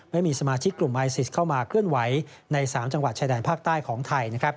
ไม่มีสมาชิกกลุ่มไอซิสเข้ามาเคลื่อนไหวใน๓จังหวัดชายแดนภาคใต้ของไทย